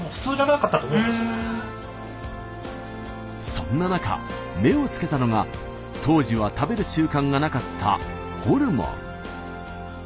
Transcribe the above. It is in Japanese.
そんな中目をつけたのが当時は食べる習慣がなかったホルモン。